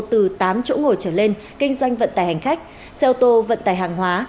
từ tám chỗ ngồi trở lên kinh doanh vận tài hành khách xe ô tô vận tài hàng hóa